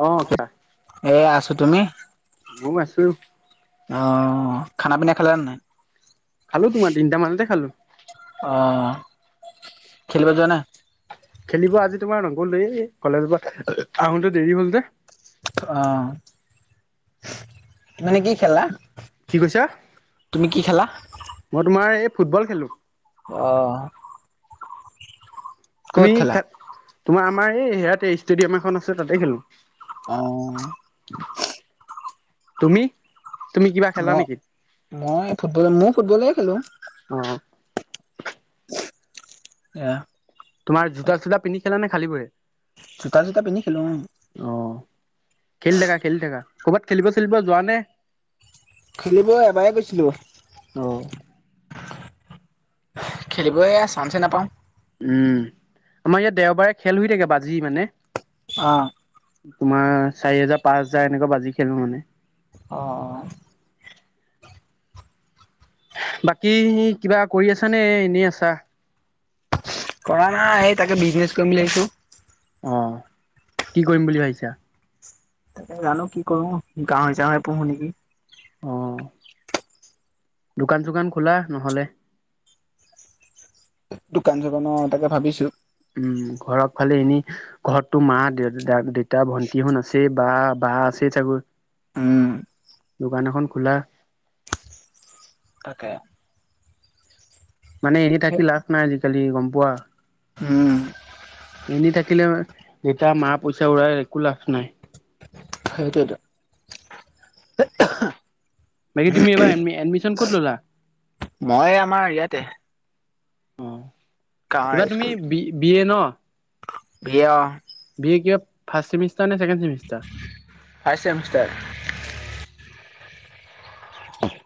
অ খা এ আছো। তুমি? [unintelligible] অ খানা পিনা খালে নে নাই? খালো তোমাৰ তিনিটা মানতে খালো। অ খেলিব যোৱা নাই? খেলিব আজি তোমাৰ নগ'লো এ কলেজৰ পৰা আহোতে দেৰি হ'ল যে। অৱ মানে কি খেলা, কি কৈছা তুমি কি খেলা? মই তোমাৰ এই ফুটবল খেলো। অ তুমি ক'ত খেলা তোমাৰ আমাৰ এই ইয়াতে ষ্টেডিয়াম এখন আছে তাতে খেলো। অৱ তুমি? তুমি কিবা খেলা অৱ নেকি মই ফুটবল মইয়ো ফুটবলে খেলো। অ এয়া তোমাৰ জোতা চোতা পিন্ধি খেলা‌ নে খালী ভৰিৰে? জোতা চোতা পিন্ধি খেলো উম। অ খেলি থাকা খেলি থাকা। কৰ'বাত খেলিব চেলিব যোৱা নে? খেলিব এবাৰেই গৈছিলোঁ। অ খেলিব এয়া চান্সে নাপাওঁ। উম আমাৰ ইয়াত দেওবাৰে খেল হৈ থাকে বাজি মানে। অহ তোমাৰ চাৰি হাজাৰ, পাঁচ হাজাৰ এনেকুৱা বাজি খেলো মানে। অহ বাকি কিবা কৰি আছা নে এনেই আছা? কৰা নাই তাকে বিজনেচ কৰিম বুলি ভাবিছোঁ। অহ, কি কৰিম বুলি ভাবিছা? জানো কি কৰো গাহৰি- চাহৰি পুহো নেকি। অ', দোকান- চোকান খোলা নহ'লে? দোকান- চোকান অহ তাকে ভাবিছোঁ। উম, ঘৰত ফালে এনে ঘৰতটো মাঁ, দেউতা, ভন্টিহোন আছে বা বা আছে চাগৈ? উম দোকান এখন খোলা? তাকে মানে এনে থাকি লাভ নাই আজিকালি গম পোৱা? উম এনে থাকিলে যেতিয়া মা পইচা উৰাই একো লাভ নাই। সেইটোৱেতো। বাকী তুমি এবাৰ এডমিশন ক'ত ল'লা? মই আমাৰ ইয়াতে অহ, এইবাৰ তুমি বি -বি এ ন? বি এ অহ। ই কিবা ফাৰ্ষ্ট ছেমিষ্টাৰ নে ছেকেণ্ড ছেমিষ্টাৰ? ফাৰ্ষ্ট চেমিষ্টাৰ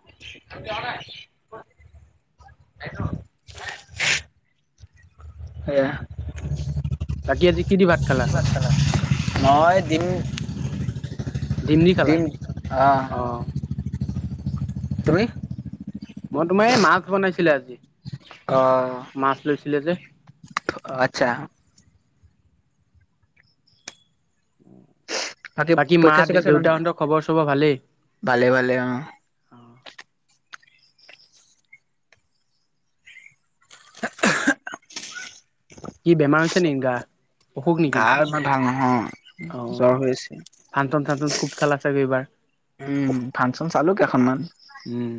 [unintelligible] আইয়া বাকী আজি কি দি ভাত খালা? [unintelligible] নহয় দিম ডিমদি খালা দিম আহ অহ। তুমি? মই তোমাৰ এই মাছ বনাইছিলে আজি অ মাছ লৈছিলে যে আচ্ছা। বাকী মা-দেউতাহঁতৰ খবৰ- চবৰ ভালেই? ভালে-ভালে অহ। [unintelligible] কি বেমাৰ হৈ হৈছে নেকি গা? অখোক নেকি? গা ইমান ভাল নহয় অহ জ্বৰ হৈ আছে ফাংচন -চাংচন খুব চালা চাবি এইবাৰ। উম, ফাংচন চালো কেইখনমান। উম,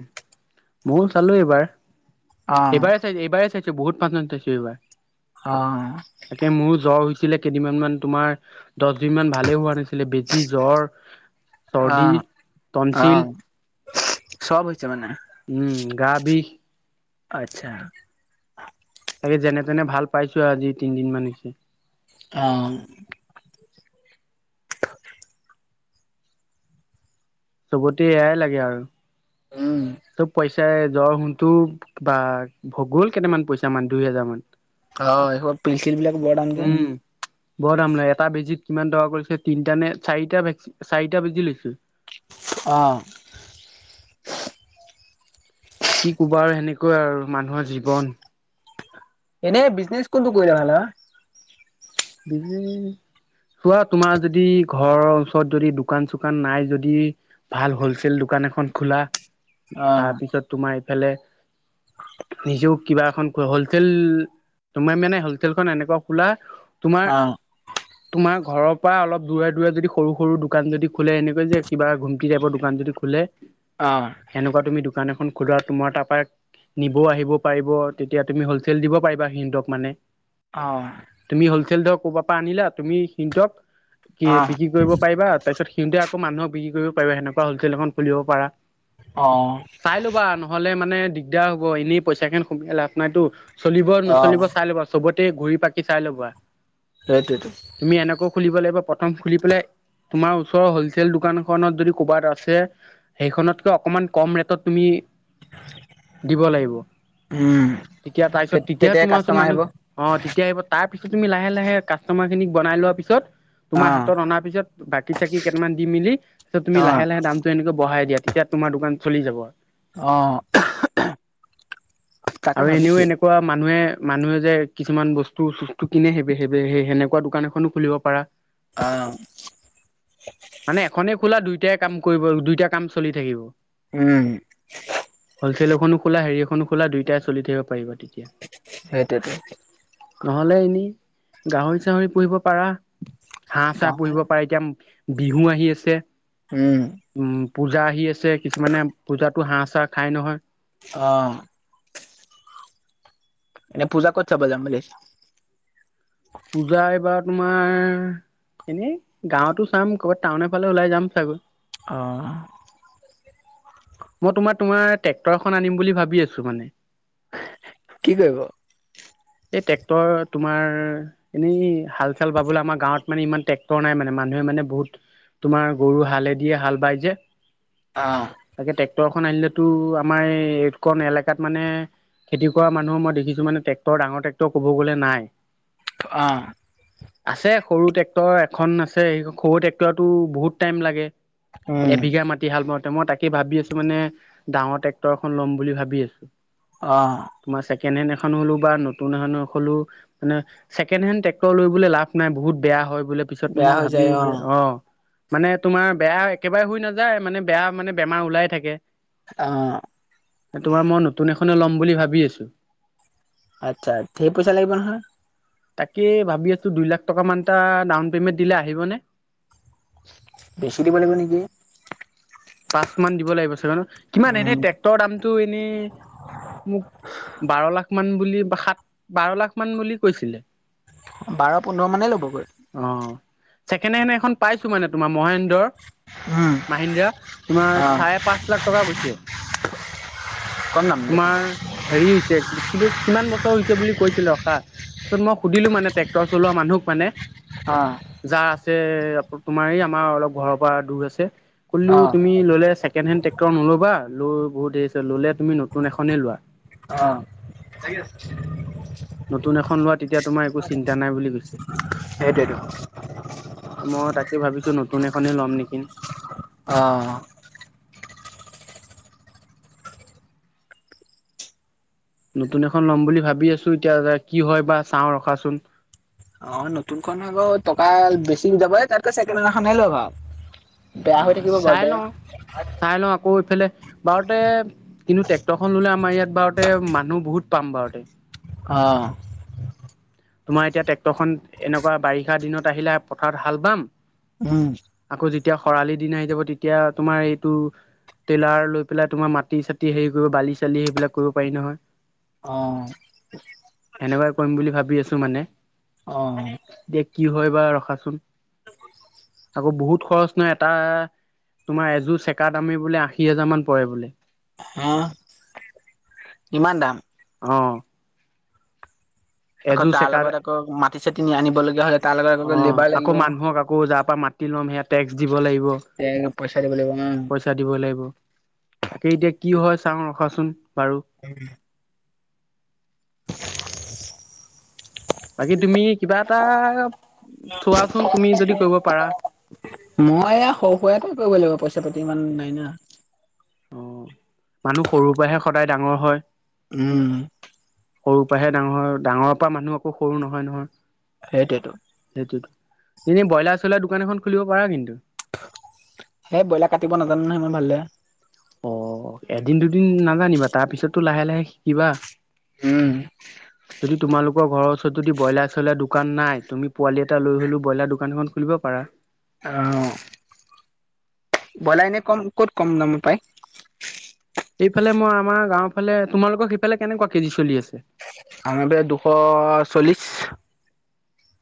ময়ো চালো অ এইবাৰ- এইবাৰেই চাই- এইবাৰেই চাই বহুত ফাংচন চাইছোঁ এইবাৰ অ তাকে মোৰো জ্বৰ ছিলে। কেইদিনমান মান তোমাৰ দচ দিন মান ভালে হোৱা নাছিলে বেজী জ্বৰ অ চৰ্দি, অ তনছিল চব হৈছে মানে? উম, গা বিষ। আচ্ছা। তাকে যেনে-তেনে ভাল পাইছো আৰু আজি তিনদিনমান হৈছে। আহ [inaudible] চবতে এয়াই লাগে আৰু। উম চব পইচাই জ্বৰ হুনটো বা গল কেইটামান পইচা মান দুই হেজাৰ মান। হয়, এইহপা পিল- ছিল বিলাক বৰ দাম যে। উম, বৰ দাম লয়। এটা বেজিত কিমান টকা পৰিছে তিনিটা নে চাৰিটা -চাৰিটা বেজি লৈছো। অঁ। কি কবা আৰু সেনেকুৱাই আৰু মানুহৰ জীৱন। এনে বিজনেচ কোনটো কৰিলে ভাল হয়? বিজনেছ চোৱা তোমাৰ যদি ঘৰৰ ওচৰত যদি দোকান চোকান নাই যদি ভাল হলচেল দোকান। দোকান এখন খোলা অ তাৰপিছত তোমাৰ এইফালে। নিজেও কিবা এখন হলচেল তোমাৰ মানে হলচেলখন এনেকুৱা খোলা তোমাৰ অ। তোমাৰ ঘৰৰ পৰা অলপ দূৰে-দূৰে যদি সৰু-সৰু দোকান যদি খোলে এনেকৈ যে কিবা ঘুমটি টাইপৰ দোকান যদি খোলে। অ এনেকুৱা তুমি দোকান এখন। খোলা তোমাৰ তাৰপৰা নিবও আহিব পাৰিব তেতিয়া তুমি হলচেল দিব পাৰিবা সিহঁতক মানে। অহ। ধৰ ক'ৰবাৰ পৰা আনিলা তুমি সিহতক কি অ', বিক্ৰী কৰিব পাৰিবা তাৰপিছত সিহতে আকৌ। আকৌ মানুহক বিক্ৰী কৰিব পাৰিব সেনেকুৱা হলচেল এখন খুলিব পাৰা। অ', চাই ল'বা নহলে মানে দিগ- দিগদাৰ হ'ব এনেই পইচা খিন সোমিয়াই লাভ নাইতো চলিব অ', নচলিব চাই লবা চবত ঘুৰি পাকি চাই লবা সেইটোৱেতো। তুমি এনেকৈ খুলিব লাগিব প্ৰথম খুলি পেলাই তোমাৰ ওচৰৰ হলচেল দোকান খনত যদি ক'ৰবাত আছে সেইখনতকে অকমান কম ৰেটত তুমি দিব লাগিব উম। তেতিয়া তাৰপিছত তেতিয়া তেতিয়াই তোমাৰ ওচৰত কাষ্টমাৰ আহিব। মানুহ অ তেতিয়া আহিব তাৰ ত পিছত তুমি লাহে লাহে কাষ্টমাৰ খিনিক বনাই লোৱাৰ পিছত। তোমাৰ অ', হাতত অনাৰ পিছত বাকি চাকি কেইটামান দি মেলি তাছত তুমি অ', লাহে লাহে দামটো এনেকে বঢ়াই দিয়া তেতিয়া তোমাৰ দোকান চলি যাব। অহ আৰু এনেও এনেকুৱা মানুহে মানুহে যে কিছুমান বস্তু চ কিনে সেইব সেই সেই সেনেকুৱা দোকান এখনো খুলিব পাৰা অ', মানে এখনেই খোলা দুই দুইটাই কাম কৰিব দুইটা কাম চলি থাকিব উম, হলছেলৰ খনো খোলা সেৰিঅ খোলা দুইটাই চলি থাকিব পাৰিব তেতিয়া সেইটোৱেতো নহ'লে এনে গাহৰি চাহৰি পুহিব পাৰা হাঁহ চাঁ গাঁৱৰ হপুহিব পাৰা এতিয়া বিহু আহি আছে। উম উম পূজা আহি আছে কিছুমানে পূজাতো হাঁহ চাঁ খাই নহয় অ। এনে পূজা কত চাব জাম আহিছিলি পূজা বা তোমাৰ এনে গাঁৱতো চাম কৰবাত টাউনৰ ফালে ওলাই যাম চাগৈ আহ মই তোমাৰ তোমাৰ ট্ৰেক্টৰখন আনিম বুলি ভাবি আছো মানে। কি কৰিব এই ট্ৰেক্টৰ তোমাৰ এনেই হাল চাল বাবলৈ আমাৰ গাঁৱত মানে ইমান ট্ৰেক্টৰ নাই মানে মানুহে মানে। মানে বহুত তোমাৰ গৰু হালে দিয়ে হাল বাই যে অ তাকে ট্ৰেক্টৰখন আনিলেতো আমাৰ এইকণ এলেকাত মানে খেতি কৰা মানুহৰ মই দেখিছো মানে টেক- ডাঙৰ ট্ৰেক্টৰ কব গলে নাই অ', আছে সৰু ট্ৰেক্টৰ খন আছে সেইখন সৰু ট্ৰেক্টৰাতো বহুত টাইম লাগে উম, এবিঘা মাটি হাল বাওঁতে মই তাকে ভাবি আছো মানে ডাঙৰ ট্ৰেক্টৰ এখন ল'ম বুলি ভাবি আছো। আহ কেনে দেখানো হ'লো। বা নতুন এখনে খোলো মানে ছেকেণ্ড হেণ্ড ট্ৰেক্টৰ লৈ পেলাই লাভ নাই বহুত বেয়া হয়। বোলে পিছত বেয়া মই হৈ ভাবি যায় অ মানে তোমাৰ বেয়া একেবাৰে হৈ নাযায় মানে বেয়া মানে বেমাৰ ওলাই থাকে অ', তোমাৰ মই নতুন এখনে লম বুলি ভাবি আছো আচ্ছা ধেই পইচা লাগিব নহয় তাকে ভাবি আছো দুই লাখ টকা মান ডাউন পেমেন্ট দিলে আহিবনে বেছি দিব লাগিব নেকি পাঁচ মান দিব লাগিব চাগে ন কিমান উম, এনেই ট্ৰেক্টৰৰ দামটো এনেই মোক বাৰ লাখ মান বুলি সাত বাৰ লাখ মান বুলি কৈছিলে বাৰ পোন্ধৰ মানেই ল'বগৈ অ ছেকেণ্ড হেণ্ড এখন পাইছো মানে তোমাৰ মহেন্দ্ৰ উম, মাহিন্দ্ৰা। তোমাৰ অ', চাৰে পাঁচ লাখ টকা গৈছে কম দাম দেখোন। তোমাৰ হেৰি হৈছে কি বুলি। কিমান বছৰ হৈছে বুলি কৈছিল ৰখা পিছত মই সুধিলো মানে ট্ৰেক্টৰ চলোৱা মানুহক মানে অ যাৰ আছে তোমাৰ আমাৰ অলপ ঘৰৰ পৰা দূৰ আছে। কলো অ। তুমি ললে ছেকেণহেন ট্ৰেক্টৰ নলবা লৈ বহুত হেৰি আ ল'লে তুমি নতুন এখনে লোৱা। অ। নতুন এখন লোৱা তেতিয়া তোমাৰ একো চিন্তা নাই বুলি কৈছে সেইটোয়েতো। [unintelligible] মই তাকে ভাবিছো নতুন এখনেই ল'ম নেকি অ নতুন এখন ল'ম বুলি ভাবি আছো এতিয়া কি হয় বা চাওঁ ৰখাচোন অ নতুনখন হয় বাউ টকা বেছি যাব তাতকে ছেকেণ্ড হেণ্ড এখনে লৈ ভাল। অ বেয়া হৈ থাকিব ঘৰতে। ফালে বাৰতে কিন্তু ট্ৰেক্টৰ খন ললে আমাৰ ইয়াত বাৰতে মানুহ বহুত পাম বাৰতে অ। তোমাৰ এতিয়া ট্ৰেক্টৰখন এনেকুৱা বাৰিষা দিনত আহিলে পথাৰত হাল বাম উম। আকৌ যেতিয়া খৰালি দিন আহি যাব তেতিয়া তোমাৰ এইটো ট্ৰেইলাৰ লৈ পেলাই তোমাৰ মাটি -চাটি হেৰি কৰিব বালি চালি সেইবিলাক কৰিব পাৰি নহয়। অ', সেনেকুৱাই কৰিম বুলি ভাবি আছো মানে। অ। কিবা ৰখাচোন। [unintelligible] আকৌ বহুত খৰচ ন এটা তোমাৰ এযোৰ চেকা দামি বোলে আশী হাজাৰ মান পৰে বোলে। হা ইমান দাম। অ। আকৌ এযোৰ তাৰ চেকাৰ লগত আকৌ মাটি চাটি নি আনিবলগীয়া হ'লে তাৰ লগত আকৌ অ লেবাৰ লাগিব। আকৌ মানুহক আকৌ যাৰ পৰা মা তি লম সেয়া টেক্স দিব লাগিব তে পইচা দিব লাগিব উম, পইচা দিব লাগিব, তাকে এতিয়া কি হয় চাওঁ ৰখাচোন। বাৰু হ ন [unintelligible] বাকী তুমি কিবা এটা চোৱাচোন তুমি যদি কৰিব পাৰা। মই এয়া সৰু হুৰা কামে কৰিব কথাা পাতি ইমান নাই না। অ মানুহ সৰুৰ পৰাহে সদায় ডাঙৰ হয়। উম। সৰুৰ পৰাহে ডাঙৰ হয় ডাঙৰ পৰা মানুহ আকৌ সৰু নহয় নহয়। সেইটোৱেইটো। এনে ব্ৰইলাৰ চইলাৰ দোকান এখন খুলিব পাৰা কিন্তু। হেই ব্ৰইলাৰ কাটিব নাজানো নহয় ইমান ভাল দৰে। অ এদিন দুদিন নাজানিবা তাৰ পিছতো লাহে লাহে শিকিবা। উম। যদি তোমালোকৰ ঘৰৰ ওচৰত যদি ব্ৰইলাৰ চ্ৰইলাৰ দোকান নাই তুমি পোৱালি এটা লৈ হ'লেও ব্ৰইলাৰ দোকান এখন খো ব পাৰা আহ। বৈলা কম ক'ত কম দামত পায়? এইফালে মই আমাৰ গাঁওৰ ফালে তোমালোকৰ সেইফালে কেনেকোৱা কেজি চলি আছে? আম এব দুশ চল্লিশ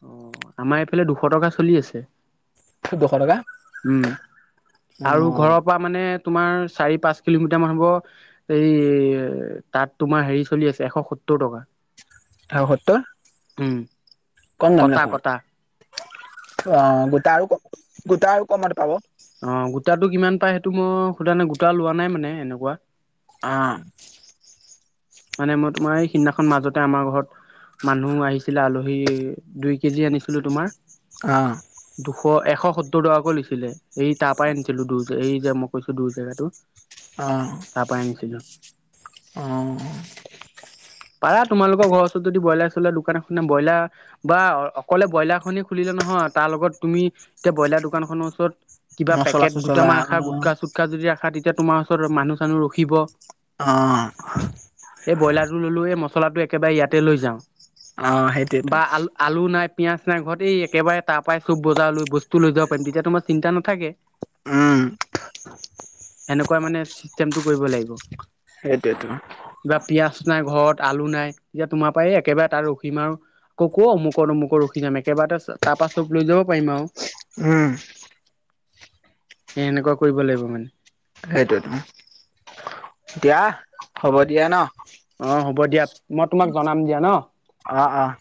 অ আমাৰ এইফালে দুশ টকা চলি আছে। দুশ টকা। উম আৰু অ', ঘৰৰ পৰা মানে তোমাৰ চাৰি -পাঁচ কিলোমিটাৰ মান হ'ব এই তাত তোমাৰ হেৰি চলি আছে এশ সত্ত সত্তৰ টকা তাত উম, কম গাম কটা দেখন কটা অ গোট আৰু ক। গোটা আৰু কমাৰ পাব। অ গোটাটো কিমান পাই সেইটো মই সণে গোটা লোৱা নাই মানে এনেকুৱা। অহ। মানে মই তোমাৰ এই সিদিনাখন মাজতে আমাৰ ঘৰত। মানুহ আহিছিলে আলহী দুই কেজি আনিছিলো তোমাৰ। অহঁ। দুশ এশ সত্তৰ টকাকৈ লৈছিলে এই তাৰ পৰাই আনিছিলো দৰ এই যে মই কৈছো দূৰ জেগাতটো। অ অ। পাৰ তোমালৰ ঘৰ ওচৰত যদি বইলাৰ চ্ৰলাৰ দোকান খনে ব্ৰইলাৰ বা অকলে ব্ৰইলাৰ খনে খুলিলে নহয়। অ তাৰ লগত তুমি এতিয়া ব্ৰইলাৰ দোকান খনৰ ওচৰত। কিবা মচলা পেকেট চচলা দুটামান অ ৰাখা গুটকা চুটকা যদি ৰাখা তেতিয়া তোমাৰ ওচৰত মানুহ চানুহ ৰখিব। অ। এই ব্ৰইলাৰটো ললো এই মচলাটো একেবাৰে ইয়াতে লৈ অ যাওঁ সেইটোৱেতো বা আলু আলু নাই। পিয়াজচিনা ঘৰত এই একেবাৰে তাৰ পৰাই চুব বজাৰ লৈ বস্তু লৈ যাব পাৰিম তেতিয়া তোমাৰ চিন্ত নাথাকে। উম। সেনেকুৱা মানে চিষ্টেমটো কৰিব লাগিব। সেইটোয়েটো। বা পিয়াজ নাই ঘৰত আলু নাই এতিয়া তোমাৰ পৰা এই একেবাৰে তাৰ ৰখিম আৰু। ককো অমুক অমুক ৰখি যাম একেবাটা তাৰপা চব লৈ যাব পাৰিম আৰু। উম। এ এনেকুৱা কৰিব লাগিব মানে। সেইটোতো এতিয়া হ'ব দিয়া ন। অ হ'ব দিয়া মই তোমাক জনাম দিয়া ন। অহ অহ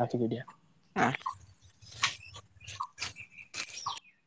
ৰাখিছো দিয়া অহ।